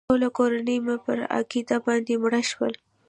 ټوله کورنۍ مې پر عقیده باندې مړه شول.